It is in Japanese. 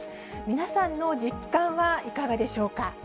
皆さんの実感はいかがでしょうか。